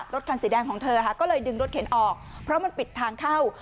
รถคันสีแดงของเธอค่ะก็เลยดึงรถเข็นออกเพราะมันปิดทางเข้า